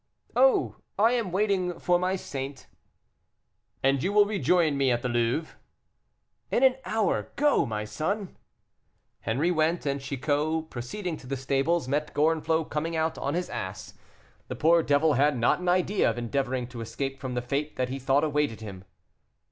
"Oh! I am waiting for my saint." "And you will rejoin me at the Louvre?" "In an hour; go, my son." Henri went; and Chicot, proceeding to the stables, met Gorenflot coming out on his ass. The poor devil had not an idea of endeavoring to escape from the fate that he thought awaited him.